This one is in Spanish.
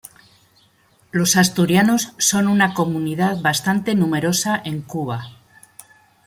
Los asturianos son una comunidad bastante numerosa en Cuba.